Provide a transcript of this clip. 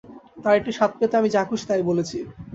তার একটু স্বাদ পেতে আমি যা খুশি তাই বলেছি।